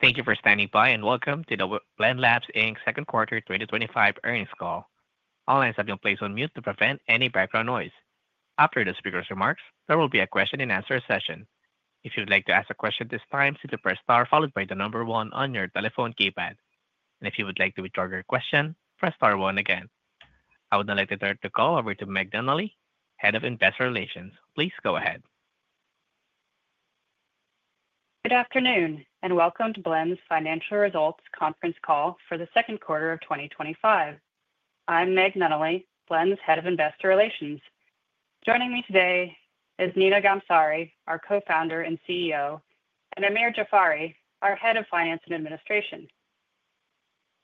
Thank you for standing by and welcome to the Blend Labs, Inc. Second Quarter 2025 Earnings Call. All lines have been placed on mute to prevent any background noise. After the speaker's remarks, there will be a question and answer session. If you would like to ask a question at this time, simply press star followed by the number one on your telephone keypad. If you would like to withdraw your question, press star one again. I would now like to turn the call over to Meg Nunnally, Head of Investor Relations. Please go ahead. Good afternoon and welcome to Blend's Financial Results Conference Call for the Second Quarter of 2025. I'm Meg Nunnally, Blend's Head of Investor Relations. Joining me today is Nima Ghamsari, our Co-Founder and CEO, and Amir Jafari, our Head of Finance and Administration.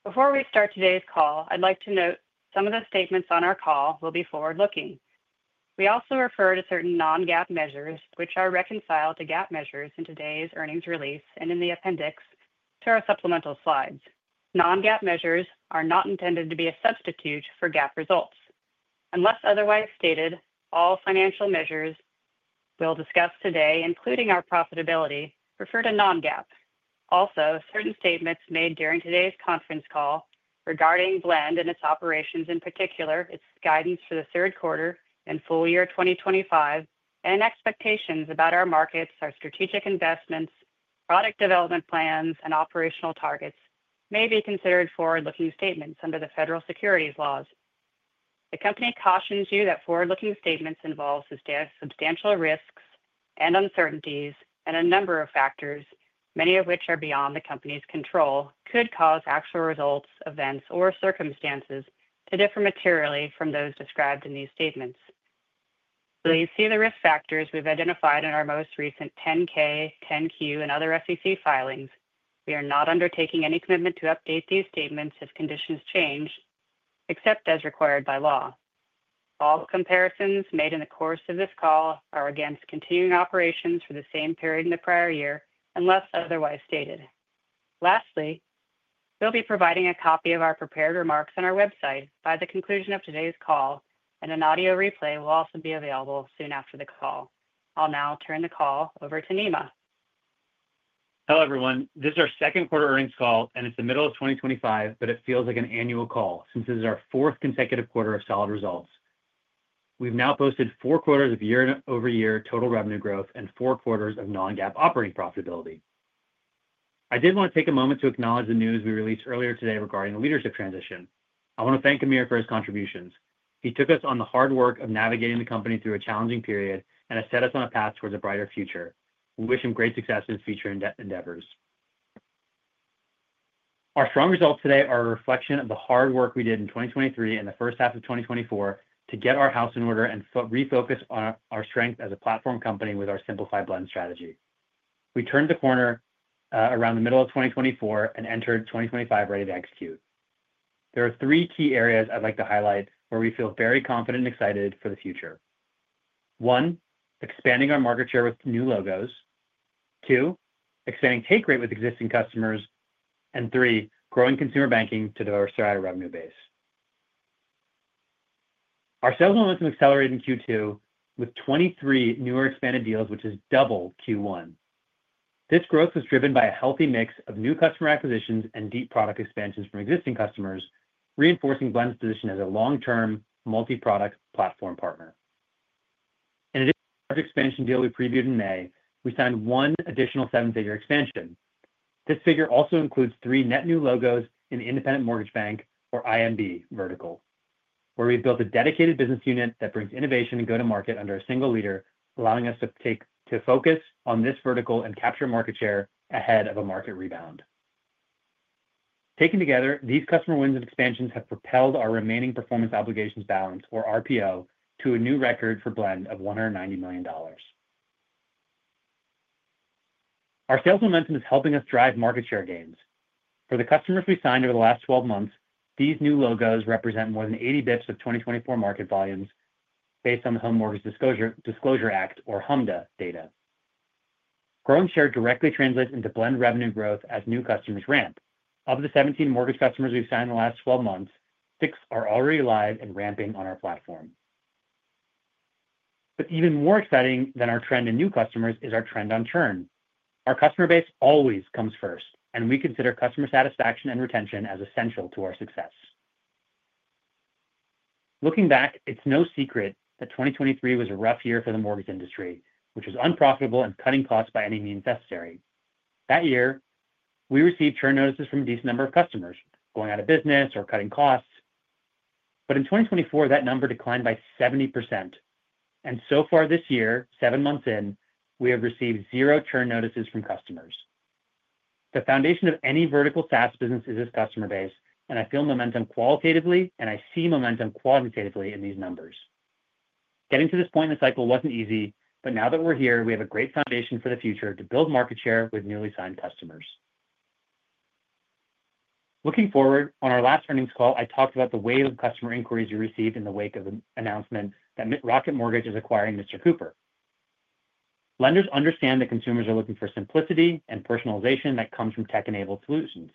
Before we start today's call, I'd like to note some of the statements on our call will be forward-looking. We also refer to certain non-GAAP measures, which are reconciled to GAAP measures in today's earnings release and in the appendix to our supplemental slides. Non-GAAP measures are not intended to be a substitute for GAAP results. Unless otherwise stated, all financial measures we'll discuss today, including our profitability, refer to non-GAAP. Also, certain statements made during today's conference call regarding Blend and its operations, in particular its guidance for the third quarter and full year 2025, and expectations about our markets, our strategic investments, product development plans, and operational targets may be considered forward-looking statements under the federal securities laws. The company cautions you that forward-looking statements involve substantial risks and uncertainties and a number of factors, many of which are beyond the company's control, could cause actual results, events, or circumstances to differ materially from those described in these statements. Please see the risk factors we've identified in our most recent 10-K, 10-Q, and other SEC filings. We are not undertaking any commitment to update these statements if conditions change, except as required by law. All comparisons made in the course of this call are against continuing operations for the same period in the prior year unless otherwise stated. Lastly, we'll be providing a copy of our prepared remarks on our website by the conclusion of today's call, and an audio replay will also be available soon after the call. I'll now turn the call over to Nima. Hello everyone. This is our second Quarter Earnings Call, and it's the middle of 2025, but it feels like an annual call since this is our fourth consecutive quarter of solid results. We've now posted four quarters of year-over-year total revenue growth and four quarters of non-GAAP operating profitability. I did want to take a moment to acknowledge the news we released earlier today regarding the leadership transition. I want to thank Amir for his contributions. He took us on the hard work of navigating the company through a challenging period and has set us on a path towards a brighter future. We wish him great success in his future endeavors. Our strong results today are a reflection of the hard work we did in 2023 and the first half of 2024 to get our house in order and refocus on our strength as a platform company with our simplified Blend strategy. We turned the corner around the middle of 2024 and entered 2025 ready to execute. There are three key areas I'd like to highlight where we feel very confident and excited for the future. One, expanding our market share with new logos. Two, expanding take rate with existing customers. Three, growing consumer banking to diversify our revenue base. Our sales momentum accelerated in Q2 with 23 new or expanded deals, which is double Q1. This growth was driven by a healthy mix of new customer acquisitions and deep product expansions from existing customers, reinforcing Blend's position as a long term multi-product platform partner. In addition to the large expansion deal we previewed in May, we signed one additional seven-figure expansion. This figure also includes three net new logos in the independent mortgage bank, or IMB, vertical, where we've built a dedicated business unit that brings innovation and go to market under a single leader, allowing us to focus on this vertical and capture market share ahead of a market rebound. Taken together, these customer wins and expansions have propelled our remaining performance obligations balance, or RPO, to a new record for Blend of $190 million. Our sales momentum is helping us drive market share gains. For the customers we signed over the last 12 months, these new logos represent more than 80 bps of 2024 market volumes based on the Home Mortgage Disclosure Act, or HMDA, data. Growing share directly translates into Blend revenue growth as new customers ramp. Of the 17 mortgage customers we've signed in the last 12 months, six are already live and ramping on our platform. Even more exciting than our trend in new customers is our trend on churn. Our customer base always comes first, and we consider customer satisfaction and retention as essential to our success. Looking back, it's no secret that 2023 was a rough year for the mortgage industry, which was unprofitable and cutting costs by any means necessary. That year, we received churn notices from a decent number of customers going out of business or cutting costs. In 2024, that number declined by 70%. So far this year, seven months in, we have received zero churn notices from customers. The foundation of any vertical SaaS business is its customer base, and I feel momentum qualitatively, and I see momentum quantitatively in these numbers. Getting to this point in the cycle wasn't easy, but now that we're here, we have a great foundation for the future to build market share with newly signed customers. Looking forward, on our last earnings call, I talked about the wave of customer inquiries we received in the wake of the announcement that Rocket Mortgage is acquiring Mr. Cooper. Lenders understand that consumers are looking for simplicity and personalization that comes from tech-enabled solutions.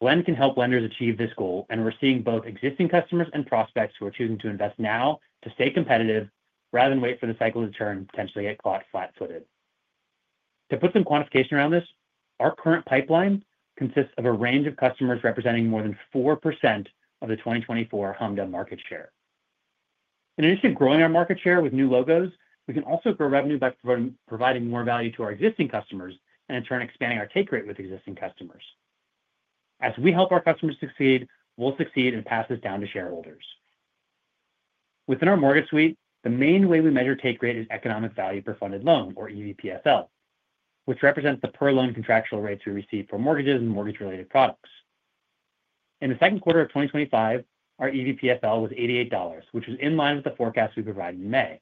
Blend can help lenders achieve this goal, and we're seeing both existing customers and prospects who are choosing to invest now to stay competitive rather than wait for the cycle to turn and potentially get caught flat-footed. To put some quantification around this, our current pipeline consists of a range of customers representing more than 4% of the 2024 HMDA market share. In addition to growing our market share with new logos, we can also grow revenue by providing more value to our existing customers and in turn expanding our take rate with existing customers. As we help our customers succeed, we'll succeed and pass this down to shareholders. Within our mortgage suite, the main way we measure take rate is Economic Value Per Funded Loan, or EVPFL, which represents the per loan contractual rates we receive for mortgages and mortgage-related products. In the second quarter of 2025, our EVPFL was $88, which was in line with the forecast we provided in May.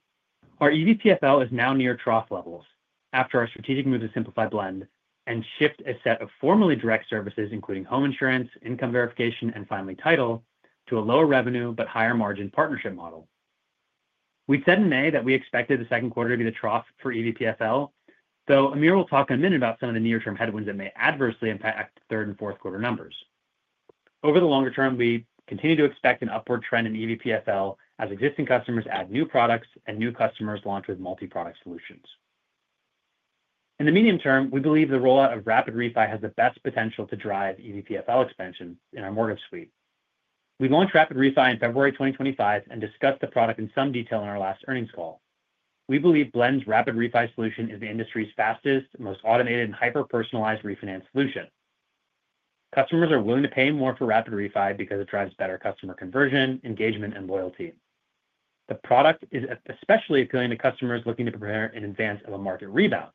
Our EVPFL is now near trough levels after our strategic move to simplify Blend and shift a set of formerly direct services, including home insurance, income verification, and finally title, to a lower revenue but higher margin partnership model. We said in May that we expected the second quarter to be the trough for EVPFL, though Amir will talk in a minute about some of the near-term headwinds that may adversely impact third and fourth quarter numbers. Over the longer term, we continue to expect an upward trend in EVPFL as existing customers add new products and new customers launch with multi-product solutions. In the medium term, we believe the rollout of Rapid ReFi has the best potential to drive EVPFL expansion in our mortgage suite. We launched Rapid ReFi in February 2024 and discussed the product in some detail in our last earnings call. We believe Blend's Rapid ReFi solution is the industry's fastest, most automated, and hyper-personalized refinance solution. Customers are willing to pay more for Rapid ReFi because it drives better customer conversion, engagement, and loyalty. The product is especially appealing to customers looking to prepare in advance of a market rebound.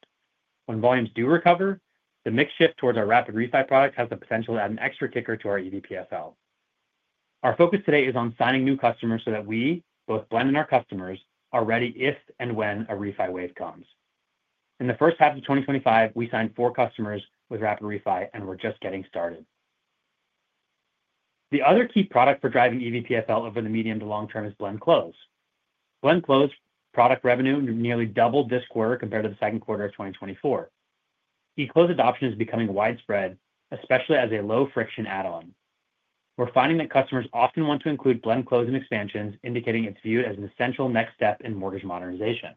When volumes do recover, the mix shift towards our Rapid ReFi product has the potential to add an extra kicker to our EVPFL. Our focus today is on signing new customers so that we, both Blend and our customers, are ready if and when a ReFi wave comes. In the first half of 2024, we signed four customers with Rapid ReFi and we're just getting started. The other key product for driving EVPFL over the medium to long term is Blend Close. Blend Close product revenue nearly doubled this quarter compared to the second quarter of 2023. E-Close adoption is becoming widespread, especially as a low-friction add-on. We're finding that customers often want to include Blend Close in expansions, indicating it's viewed as an essential next step in mortgage modernization.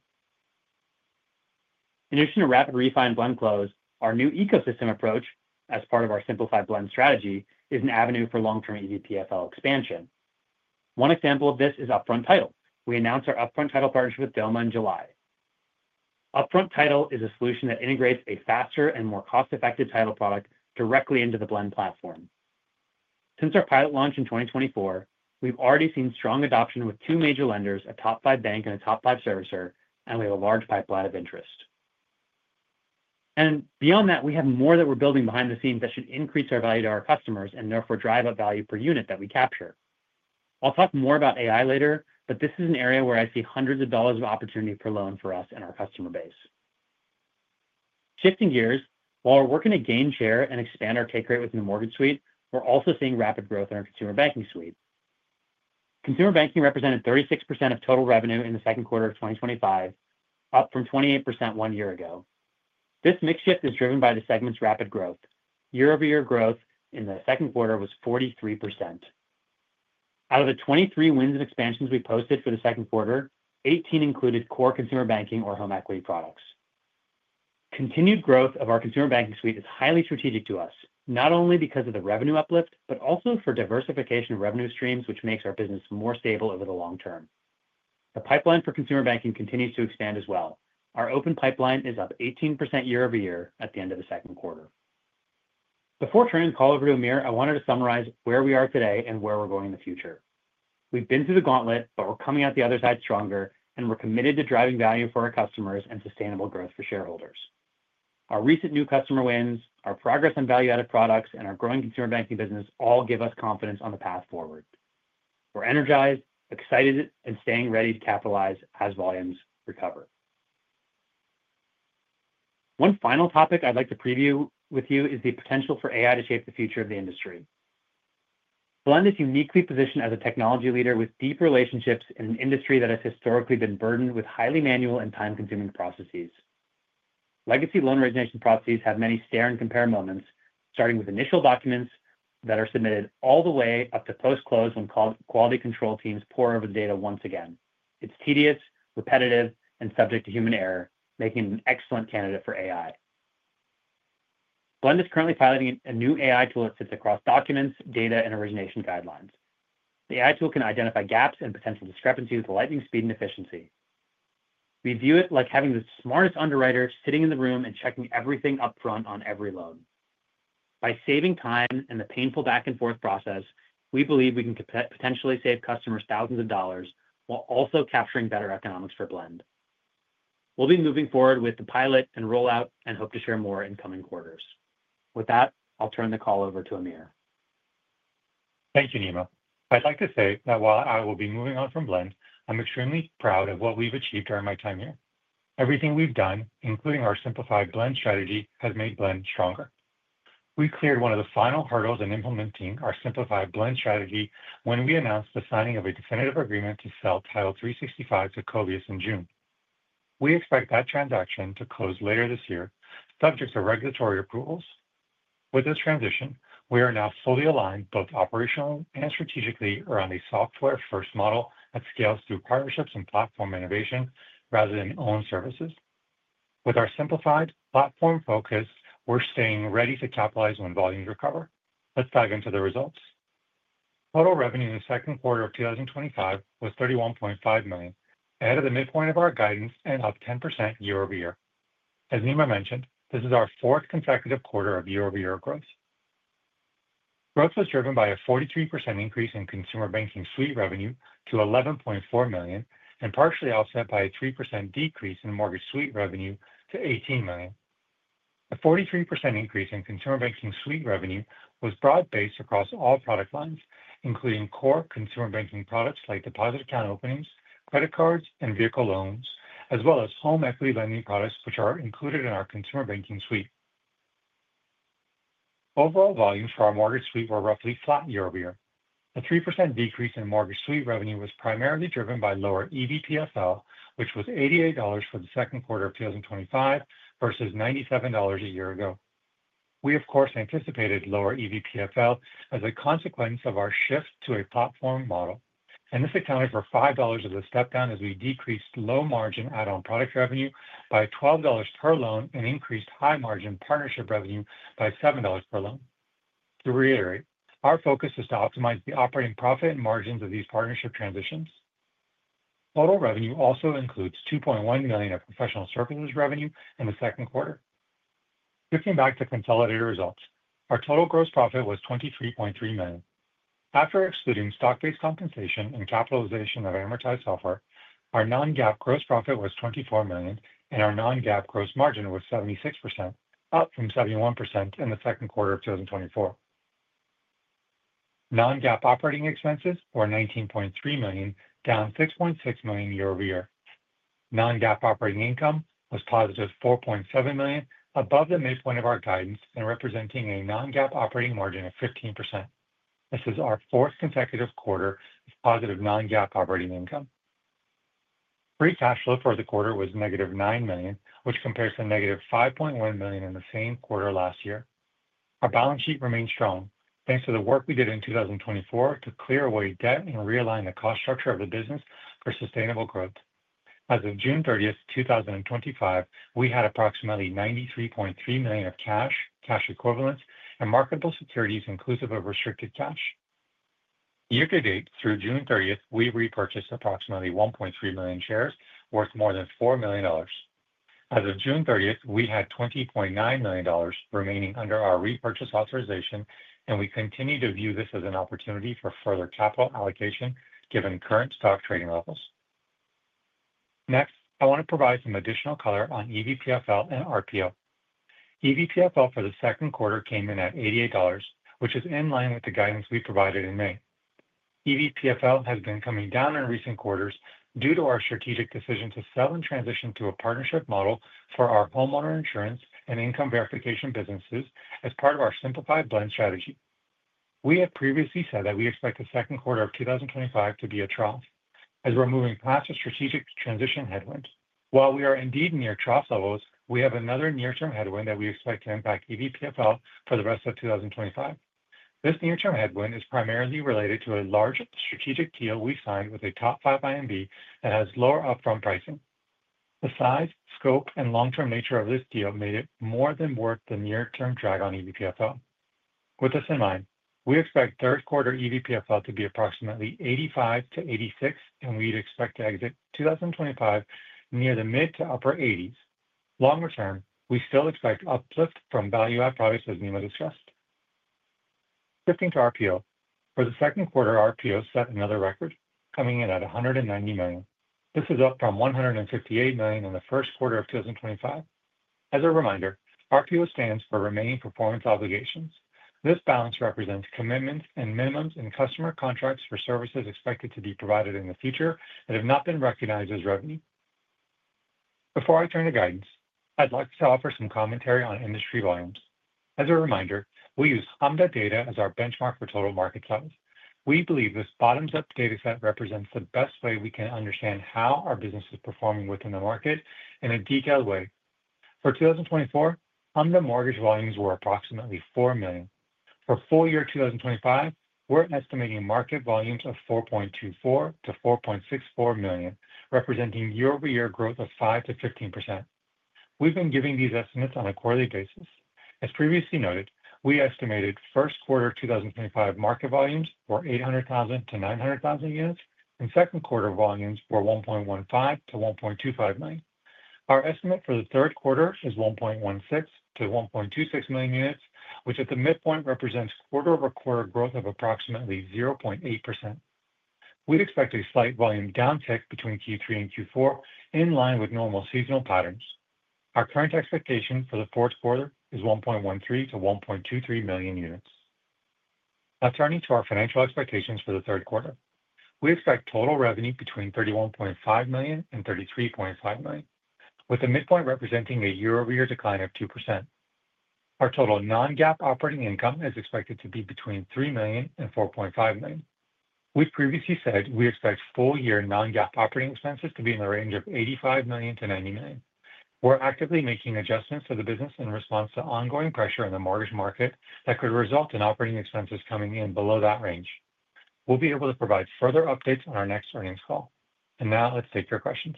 In addition to Rapid ReFi and Blend Close, our new ecosystem approach, as part of our simplified Blend strategy, is an avenue for long-term EVPFL expansion. One example of this is Upfront Title. We announced our Upfront Title partnership with Doma in July. Upfront Title is a solution that integrates a faster and more cost-effective title product directly into the Blend Platform. Since our pilot launch in 2024, we've already seen strong adoption with two major lenders, a top five bank and a top five servicer, and we have a large pipeline of interest. Beyond that, we have more that we're building behind the scenes that should increase our value to our customers and therefore drive up value per unit that we capture. I'll talk more about AI later, but this is an area where I see hundreds of dollars of opportunity per loan for us and our customer base. Shifting gears, while we're working to gain share and expand our take rate within the mortgage suite, we're also seeing rapid growth in our consumer banking suite. Consumer banking represented 36% of total revenue in the second quarter of 2025, up from 28% one year ago. This mix shift is driven by the segment's rapid growth. Year-over-year growth in the second quarter was 43%. Out of the 23 wins and expansions we posted for the second quarter, 18 included core consumer banking or home equity products. Continued growth of our consumer banking suite is highly strategic to us, not only because of the revenue uplift, but also for diversification of revenue streams, which makes our business more stable over the long term. The pipeline for consumer banking continues to expand as well. Our open pipeline is up 18% year-over-year at the end of the second quarter. Before turning the call over to Amir, I wanted to summarize where we are today and where we're going in the future. We've been through the gauntlet, but we're coming out the other side stronger, and we're committed to driving value for our customers and sustainable growth for shareholders. Our recent new customer wins, our progress on value-added products, and our growing consumer banking business all give us confidence on the path forward. We're energized, excited, and staying ready to capitalize as volumes recover. One final topic I'd like to preview with you is the potential for AI to shape the future of the industry. Blend is uniquely positioned as a technology leader with deep relationships in an industry that has historically been burdened with highly manual and time consuming processes. Legacy loan origination processes have many stare and compare moments, starting with initial documents that are submitted all the way up to post-close when quality control teams pour over the data once again. It's tedious, repetitive, and subject to human error, making it an excellent candidate for AI. Blend is currently piloting a new AI tool that fits across documents, data, and origination guidelines. The AI tool can identify gaps and potential discrepancies with lightning speed and efficiency. We view it like having the smartest underwriter sitting in the room and checking everything up front on every loan. By saving time and the painful back-and-forth process, we believe we can potentially save customers thousands of dollars while also capturing better economics for Blend. We'll be moving forward with the pilot and rollout and hope to share more in coming quarters. With that, I'll turn the call over to Amir. Thank you, Nima. I'd like to say that while I will be moving on from Blend, I'm extremely proud of what we've achieved during my time here. Everything we've done, including our simplified Blend strategy, has made Blend stronger. We cleared one of the final hurdles in implementing our simplified Blend strategy when we announced the signing of a definitive agreement to sell Title365 to Covius in June. We expect that transaction to close later this year, subject to regulatory approvals. With this transition, we are now fully aligned both operationally and strategically around a software-first model that scales through partnerships and platform innovation rather than owned services. With our simplified platform focus, we're staying ready to capitalize when volumes recover. Let's dive into the results. Total revenue in the second quarter of 2025 was $31.5 million, ahead of the midpoint of our guidance and up 10% year-over-year. As Nima mentioned, this is our fourth consecutive quarter of year-over-year growth. Growth was driven by a 43% increase in consumer banking suite revenue to $11.4 million and partially offset by a 3% decrease in mortgage suite revenue to $18 million. A 43% increase in consumer banking suite revenue was broad-based across all product lines, including core consumer banking products like deposit account openings, credit cards, and vehicle loans, as well as home equity lending products, which are included in our consumer banking suite. Overall volumes for our mortgage suite were roughly flat year-over-year. A 3% decrease in mortgage suite revenue was primarily driven by lower EVPFL, which was $88 for the second quarter of 2025 versus $97 a year ago. We, of course, anticipated lower EVPFL as a consequence of our shift to a platform model. This accounted for $5 of the step down as we decreased low margin add-on product revenue by $12 per loan and increased high margin partnership revenue by $7 per loan. To reiterate, our focus is to optimize the operating profit and margins of these partnership transitions. Total revenue also includes $2.1 million of professional services revenue in the second quarter. Shifting back to consolidated results, our total gross profit was $23.3 million. After excluding stock-based compensation and capitalization of amortized software, our non-GAAP gross profit was $24 million, and our non-GAAP gross margin was 76%, up from 71% in the second quarter of 2024. Non-GAAP operating expenses were $19.3 million, down $6.6 million year-over-year. Non-GAAP operating income was positive $4.7 million, above the midpoint of our guidance and representing a non-GAAP operating margin of 15%. This is our fourth consecutive quarter of positive non-GAAP operating income. Free cash flow for the quarter was negative $9 million, which compares to negative $5.1 million in the same quarter last year. Our balance sheet remains strong thanks to the work we did in 2024 to clear away debt and realign the cost structure of the business for sustainable growth. As of June 30, 2025, we had approximately $93.3 million of cash, cash equivalents, and marketable securities inclusive of restricted cash. Year to date, through June 30, we repurchased approximately $1.3 million shares worth more than $4 million. As of June 30, we had $20.9 million remaining under our repurchase authorization, and we continue to view this as an opportunity for further capital allocation given current stock trading levels. Next, I want to provide some additional color on EVPFL and RPO. EVPFL for the second quarter came in at $88, which is in line with the guidance we provided in May. EVPFL has been coming down in recent quarters due to our strategic decision to sell and transition to a partnership model for our homeowner insurance and income verification businesses as part of our simplified Blend strategy. We have previously said that we expect the second quarter of 2025 to be a trough as we're moving past a strategic transition headwind. While we are indeed near trough levels, we have another near-term headwind that we expect to impact EVPFL for the rest of 2025. This near-term headwind is primarily related to a large strategic deal we signed with a top five IMB that has lower upfront pricing. The size, scope, and long-term nature of this deal made it more than worth the near-term drag on EVPFL. With this in mind, we expect third quarter EVPFL to be approximately $85-$86, and we'd expect to exit 2025 near the mid to upper $80s. Longer term, we still expect uplift from value-added products as Nima discussed. Shifting to RPO, for the second quarter, RPO set another record, coming in at $190 million. This is up from $158 million in the first quarter of 2025. As a reminder, RPO stands for Remaining Performance Obligations. This balance represents commitments and minimums in customer contracts for services expected to be provided in the future that have not been recognized as revenue. Before I turn to guidance, I'd like to offer some commentary on industry volumes. As a reminder, we use HMDA data as our benchmark for total market size. We believe this bottoms-up data set represents the best way we can understand how our business is performing within the market in a detailed way. For 2024, HMDA mortgage volumes were approximately $4 million. For full year 2025, we're estimating market volumes of $4.24-$4.64 million, representing year-over-year growth of 5%-15%. We've been giving these estimates on a quarterly basis. As previously noted, we estimated first quarter 2025 market volumes were 800,000-900,000 units, and second quarter volumes were 1.15-1.25 million. Our estimate for the third quarter is 1.16-1.26 million units, which at the midpoint represents quarter-over-quarter growth of approximately 0.8%. We'd expect a slight volume downtick between Q3 and Q4, in line with normal seasonal patterns. Our current expectation for the fourth quarter is 1.13-1.23 million units. Now turning to our financial expectations for the third quarter, we expect total revenue between $31.5 million and $33.5 million, with the midpoint representing a year-over-year decline of 2%. Our total non-GAAP operating income is expected to be between $3 million and $4.5 million. We've previously said we expect full year non-GAAP operating expenses to be in the range of $85 million-$90 million. We're actively making adjustments to the business in response to ongoing pressure in the mortgage market that could result in operating expenses coming in below that range. We'll be able to provide further updates on our next earnings call. Now let's take your questions.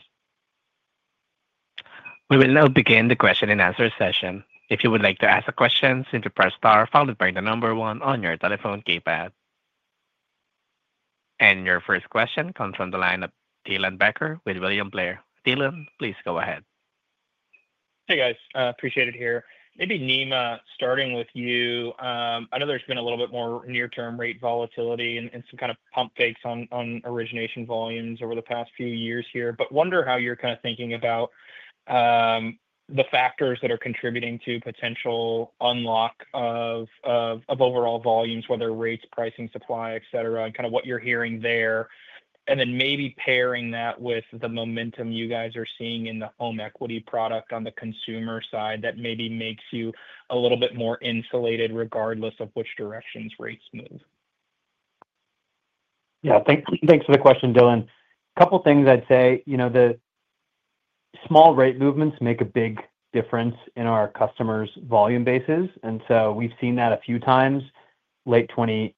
We will now begin the question and answer session. If you would like to ask a question, simply press star followed by the number one on your telephone keypad. Your first question comes from the line of Dylan Tyler Becker with William Blair. Dylan, please go ahead. Hey guys, appreciate it here. Maybe Nima, starting with you. I know there's been a little bit more near-term rate volatility and some kind of pump fakes on origination volumes over the past few years here, but wonder how you're kind of thinking about the factors that are contributing to potential unlock of overall volumes, whether rates, pricing, supply, et cetera, and what you're hearing there. Maybe pairing that with the momentum you guys are seeing in the home equity product on the consumer side that maybe makes you a little bit more insulated regardless of which directions rates move. Yeah, thanks for the question, Dylan. A couple of things I'd say, the small rate movements make a big difference in our customers' volume bases. We've seen that a few times. Late 2024,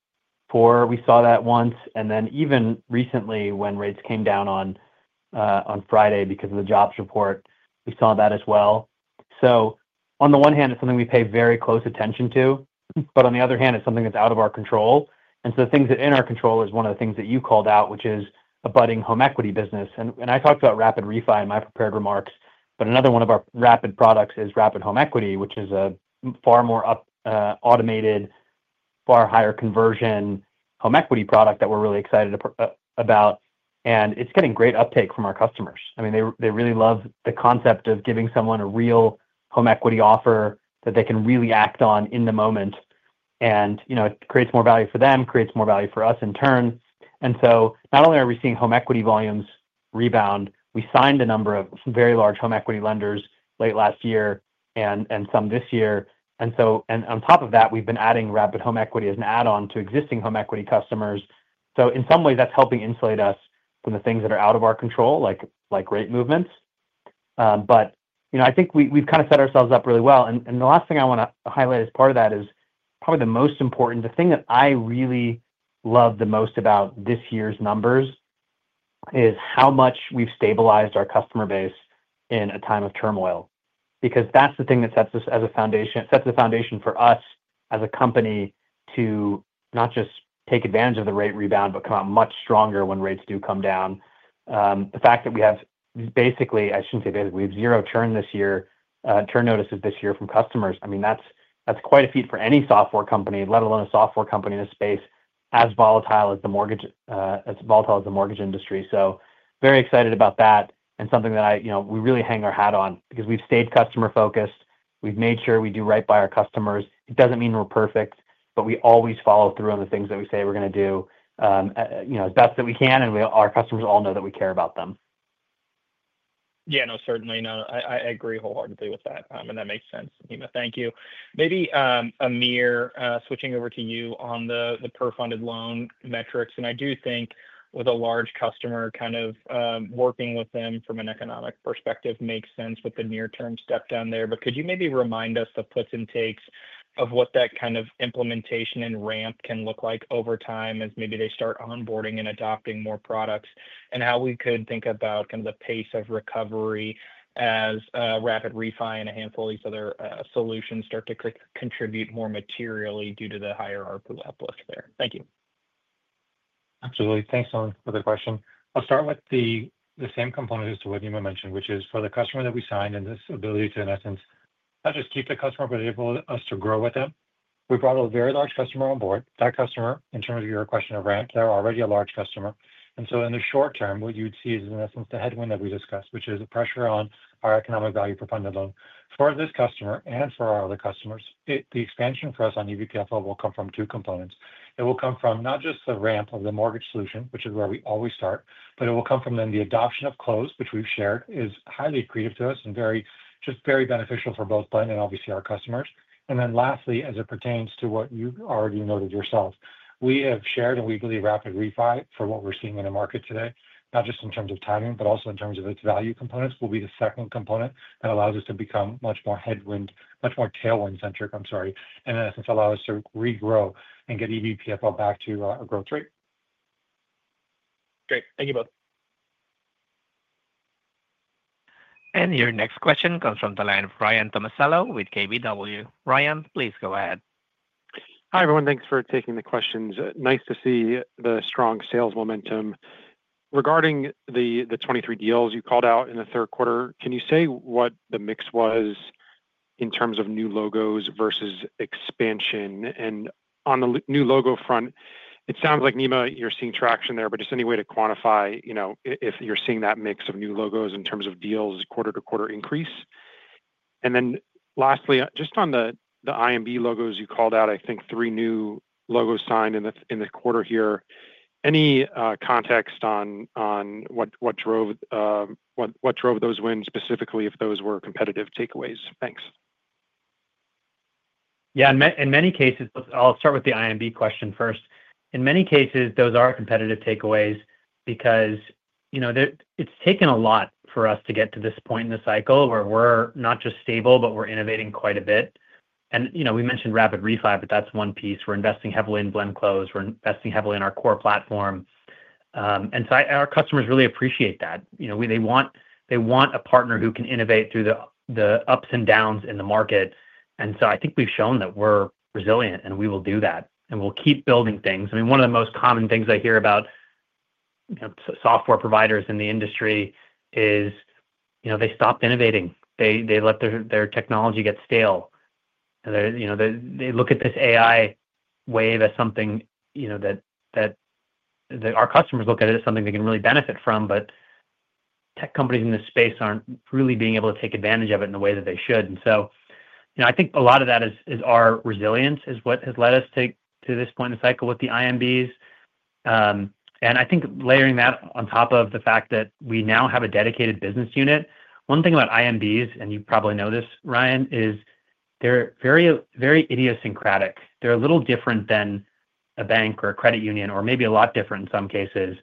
we saw that once, and then even recently when rates came down on Friday because of the jobs report, we saw that as well. On the one hand, it's something we pay very close attention to, but on the other hand, it's something that's out of our control. The things that are in our control are one of the things that you called out, which is a budding home equity business. I talked about Rapid ReFi in my prepared remarks, but another one of our rapid products is Rapid Home Equity, which is a far more automated, far higher conversion home equity product that we're really excited about. It's getting great uptake from our customers. They really love the concept of giving someone a real home equity offer that they can really act on in the moment. It creates more value for them, creates more value for us in turn. Not only are we seeing home equity volumes rebound, we signed a number of very large home equity lenders late last year and some this year. On top of that, we've been adding Rapid Home Equity as an add-on to existing home equity customers. In some ways, that's helping insulate us from the things that are out of our control, like rate movements. I think we've kind of set ourselves up really well. The last thing I want to highlight as part of that is probably the most important, the thing that I really love the most about this year's numbers is how much we've stabilized our customer base in a time of turmoil. That's the thing that sets us as a foundation, sets the foundation for us as a company to not just take advantage of the rate rebound, but come out much stronger when rates do come down. The fact that we have basically, I shouldn't say basically, we have zero churn this year, churn notices this year from customers. That's quite a feat for any software company, let alone a software company in this space, as volatile as the mortgage industry. Very excited about that and something that I, we really hang our hat on because we've stayed customer focused. We've made sure we do right by our customers. It doesn't mean we're perfect, but we always follow through on the things that we say we're going to do, as best that we can, and our customers all know that we care about them. Certainly. I agree wholeheartedly with that. That makes sense. Thank you. Maybe Amir, switching over to you on the per funded loan metrics. I do think with a large customer, kind of working with them from an economic perspective makes sense with the near-term step down there. Could you maybe remind us the puts and takes of what that kind of implementation and ramp can look like over time as maybe they start onboarding and adopting more products and how we could think about the pace of recovery as Rapid ReFi and a handful of these other solutions start to contribute more materially due to the higher RPO uplift there. Thank you. Absolutely. Thanks, Alan, for the question. I'll start with the same component as what Nima mentioned, which is for the customer that we signed and this ability to, in essence, not just keep the customer, but enable us to grow with them. We brought a very large customer on board. That customer, in terms of your question of ramp, they're already a large customer. In the short term, what you'd see is, in essence, the headwind that we discussed, which is the pressure on our Economic Value Per Funded Loan. For this customer and for our other customers, the expansion for us on EVPFL will come from two components. It will come from not just the ramp of the mortgage solution, which is where we always start, but it will come from then the adoption of Close, which we've shared is highly accretive to us and very, just very beneficial for both Blend and obviously our customers. Lastly, as it pertains to what you've already noted yourself, we have shared and we believe Rapid ReFi for what we're seeing in the market today, not just in terms of timing, but also in terms of its value components, will be the second component that allows us to become much more tailwind centric, I'm sorry. In essence, allow us to regrow and get EVPFL back to a growth rate. Great. Thank you both. Your next question comes from the line of Ryan John Tomasello with KBW. Ryan, please go ahead. Hi everyone, thanks for taking the questions. Nice to see the strong sales momentum. Regarding the 23 deals you called out in the third quarter, can you say what the mix was in terms of new logos versus expansion? On the new logo front, it sounds like Nima, you're seeing traction there, but just any way to quantify, you know, if you're seeing that mix of new logos in terms of deals quarter to quarter increase. Lastly, just on the IMB logos you called out, I think three new logos signed in the quarter here. Any context on what drove those wins, specifically if those were competitive takeaways? Thanks. Yeah, in many cases, I'll start with the IMB question first. In many cases, those are competitive takeaways because, you know, it's taken a lot for us to get to this point in the cycle where we're not just stable, but we're innovating quite a bit. You know, we mentioned Rapid ReFi, but that's one piece. We're investing heavily in Blend Close. We're investing heavily in our core platform. Our customers really appreciate that. You know, they want a partner who can innovate through the ups and downs in the market. I think we've shown that we're resilient and we will do that. We'll keep building things. I mean, one of the most common things I hear about software providers in the industry is, you know, they stopped innovating. They let their technology get stale. They look at this AI wave as something, you know, that our customers look at as something they can really benefit from, but tech companies in this space aren't really being able to take advantage of it in the way that they should. I think a lot of that is our resilience is what has led us to this point in the cycle with the IMBs. I think layering that on top of the fact that we now have a dedicated business unit. One thing about IMBs, and you probably know this, Ryan, is they're very, very idiosyncratic. They're a little different than a bank or a credit union, or maybe a lot different in some cases.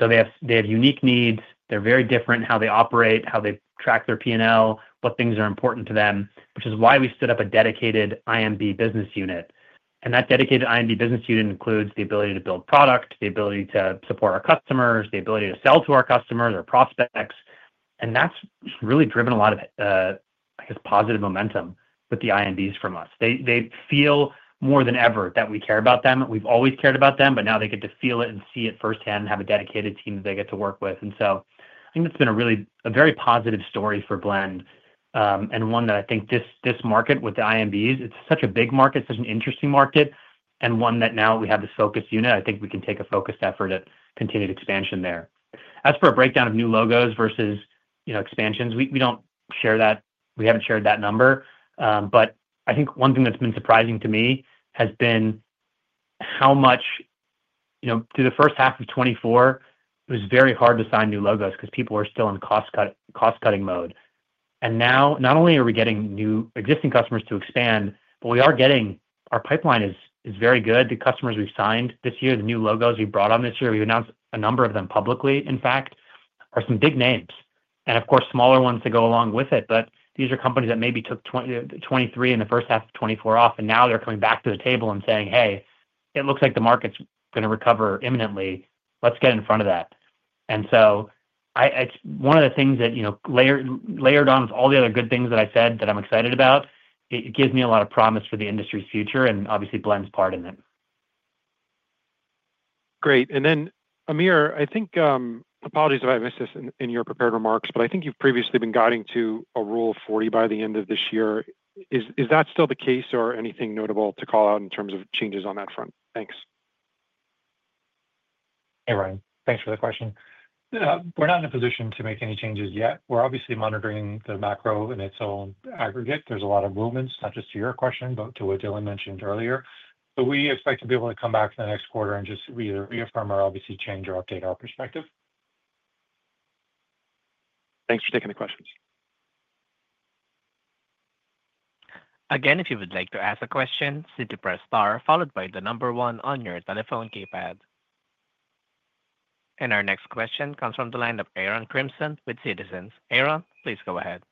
They have unique needs. They're very different in how they operate, how they track their P&L, what things are important to them, which is why we stood up a dedicated IMB business unit. That dedicated IMB business unit includes the ability to build product, the ability to support our customers, the ability to sell to our customers or prospects. That's really driven a lot of, I guess, positive momentum with the IMBs from us. They feel more than ever that we care about them. We've always cared about them, but now they get to feel it and see it firsthand and have a dedicated team that they get to work with. I think that's been a really, a very positive story for Blend and one that I think this market with the IMBs, it's such a big market, such an interesting market, and one that now we have this focused unit. I think we can take a focused effort at continued expansion there. As for a breakdown of new logos versus, you know, expansions, we don't share that. We haven't shared that number. I think one thing that's been surprising to me has been how much, you know, through the first half of 2024, it was very hard to sign new logos because people were still in cost-cutting mode. Now not only are we getting new existing customers to expand, but our pipeline is very good. The customers we signed this year, the new logos we brought on this year, we've announced a number of them publicly, in fact, are some big names. Of course, smaller ones go along with it. These are companies that maybe took 2023 and the first half of 2024 off, and now they're coming back to the table and saying, "Hey, it looks like the market's going to recover imminently. Let's get in front of that." It's one of the things that, you know, layered on with all the other good things that I said that I'm excited about, gives me a lot of promise for the industry's future and obviously Blend's part in it. Great. Amir, I think, apologies if I missed this in your prepared remarks, but I think you've previously been guiding to a rule of 40 by the end of this year. Is that still the case or anything notable to call out in terms of changes on that front? Thanks. Hey Ryan, thanks for the question. We're not in a position to make any changes yet. We're obviously monitoring the macro in its own aggregate. There's a lot of movements, not just to your question, but to what Dylan mentioned earlier. We expect to be able to come back in the next quarter and just reaffirm or obviously change or update our perspective. Thanks for taking the questions. If you would like to ask a question, simply press star followed by the number one on your telephone keypad. Our next question comes from the line of Aaron Jacob Kimson with Citizens. Aaron, please go ahead.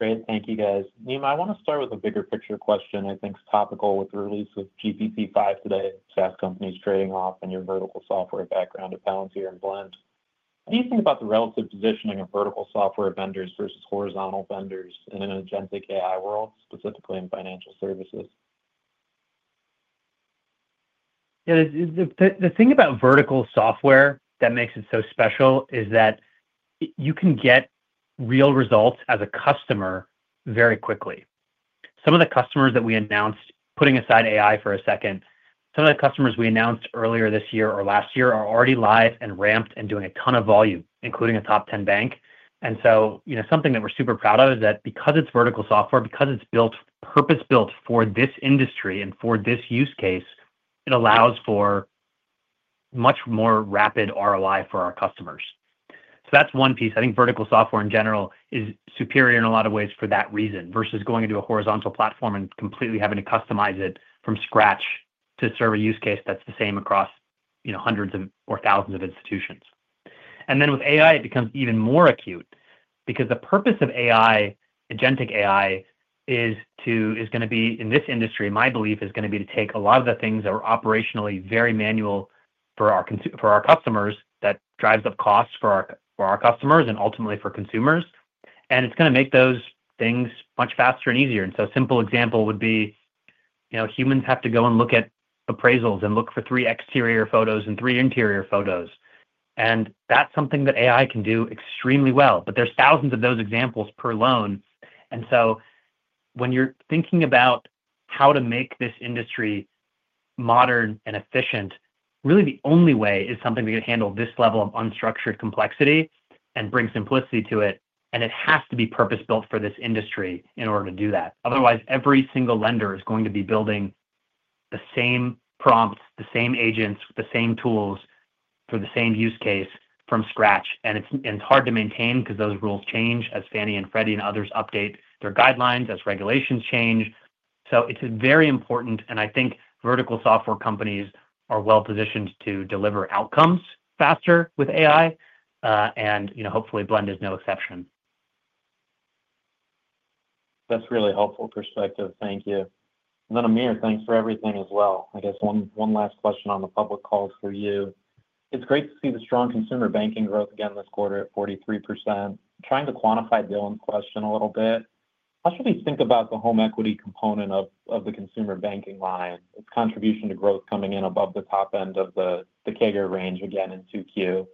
Great, thank you guys. Nima, I want to start with a bigger picture question. I think it's topical with the release of GPT-5 today at SaaS companies trading off in your vertical software background at Palantir and Blend. What do you think about the relative positioning of vertical software vendors versus horizontal vendors in an agentic AI world, specifically in financial services? Yeah, the thing about vertical software that makes it so special is that you can get real results as a customer very quickly. Some of the customers that we announced, putting aside AI for a second, some of the customers we announced earlier this year or last year are already live and ramped and doing a ton of volume, including a top 10 bank. Something that we're super proud of is that because it's vertical software, because it's purpose-built for this industry and for this use case, it allows for much more rapid ROI for our customers. That's one piece. I think vertical software in general is superior in a lot of ways for that reason versus going into a horizontal platform and completely having to customize it from scratch to serve a use case that's the same across hundreds or thousands of institutions. With AI, it becomes even more acute because the purpose of AI, agentic AI, is going to be, in this industry, my belief is going to be to take a lot of the things that are operationally very manual for our customers that drives up costs for our customers and ultimately for consumers. It's going to make those things much faster and easier. A simple example would be, humans have to go and look at appraisals and look for three exterior photos and three interior photos. That's something that AI can do extremely well. There are thousands of those examples per loan. When you're thinking about how to make this industry modern and efficient, really the only way is something that can handle this level of unstructured complexity and bring simplicity to it. It has to be purpose-built for this industry in order to do that. Otherwise, every single lender is going to be building the same prompts, the same agents, the same tools for the same use case from scratch. It's hard to maintain because those rules change as Fannie and Freddie and others update their guidelines as regulations change. It's very important. I think vertical software companies are well positioned to deliver outcomes faster with AI. Hopefully Blend is no exception. That's really helpful perspective. Thank you. Amir, thanks for everything as well. I guess one last question on the public call for you. It's great to see the strong consumer banking growth again this quarter at 43%. Trying to quantify Dylan's question a little bit. I should at least think about the home equity component of the consumer banking line, its contribution to growth coming in above the top end of the CAGR range again in 2Q,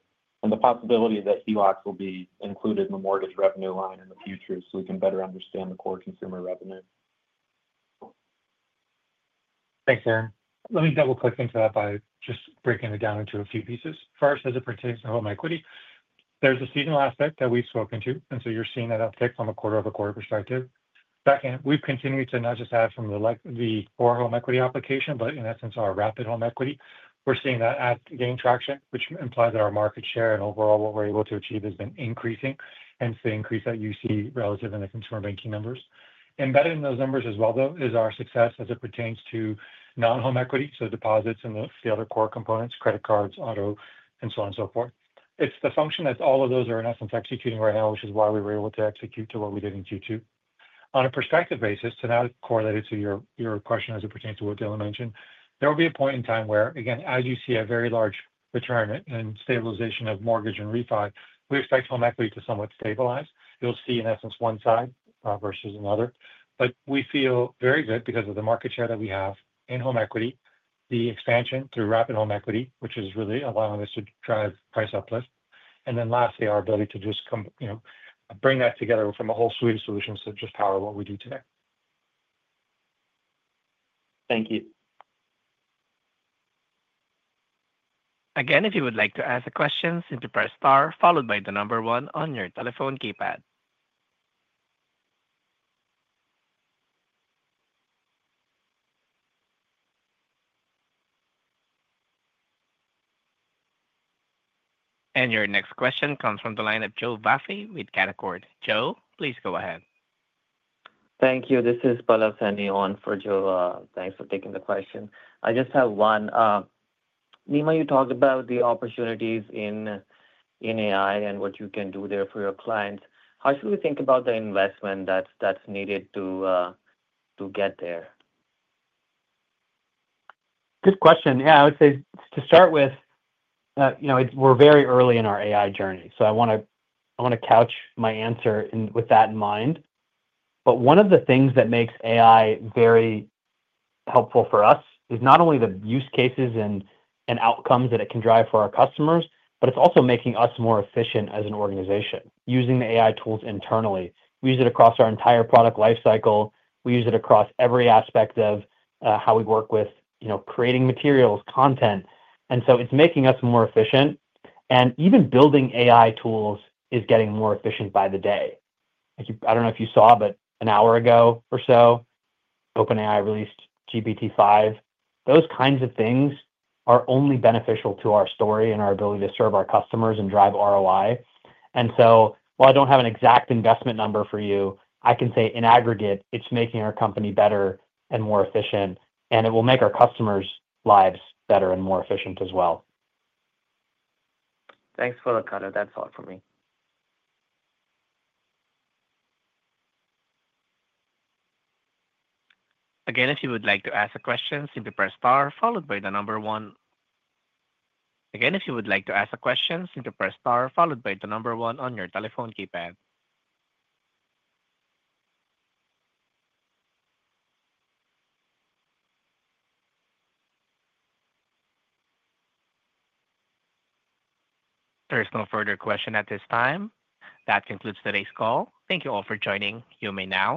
and the possibility that ELOCs will be included in the mortgage revenue line in the future so we can better understand the core consumer revenue. Thanks, Aaron. Let me double-click into that by just breaking it down into a few pieces. First, as it pertains to home equity, there's a seasonal aspect that we've spoken to, and you're seeing that uptick from a quarter-over-quarter perspective. Second, we've continued to not just add from the core home equity application, but in essence, our rapid home equity. We're seeing that gain traction, which implies that our market share and overall what we're able to achieve has been increasing. Hence the increase that you see relative in the consumer banking numbers. Embedded in those numbers as well, though, is our success as it pertains to non-home equity, so deposits and the other core components, credit cards, auto, and so on and so forth. It's the function that all of those are, in essence, executing right now, which is why we were able to execute to what we did in Q2. On a perspective basis, to now correlate it to your question as it pertains to what Dylan mentioned, there will be a point in time where, again, as you see a very large retirement and stabilization of mortgage and refi, we expect home equity to somewhat stabilize. You'll see, in essence, one side versus another. We feel very good because of the market share that we have in home equity, the expansion through rapid home equity, which is really allowing us to drive price uplift. Lastly, our ability to just, you know, bring that together from a whole suite of solutions to just power what we do today. Thank you. Again, if you would like to ask a question, simply press star followed by the number one on your telephone keypad. Your next question comes from the line of Joe Vafi with Canaccord Genuity. Joe, please go ahead. Thank you. This is Pallav Saini on for Joe. Thanks for taking the question. I just have one. Nima, you talked about the opportunities in AI and what you can do there for your clients. How should we think about the investment that's needed to get there? Good question. I would say to start with, we're very early in our AI journey. I want to couch my answer with that in mind. One of the things that makes AI very helpful for us is not only the use cases and outcomes that it can drive for our customers, but it's also making us more efficient as an organization using the AI tools internally. We use it across our entire product lifecycle. We use it across every aspect of how we work with creating materials, content. It's making us more efficient. Even building AI tools is getting more efficient by the day. I don't know if you saw, but an hour ago or so, OpenAI released GPT-5. Those kinds of things are only beneficial to our story and our ability to serve our customers and drive ROI. While I don't have an exact investment number for you, I can say in aggregate, it's making our company better and more efficient, and it will make our customers' lives better and more efficient as well. Thanks for the color. That's all for me. Again, if you would like to ask a question, simply press star followed by the number one. Again, if you would like to ask a question, simply press star followed by the number one on your telephone keypad. There is no further question at this time. That concludes today's call. Thank you all for joining. You may now.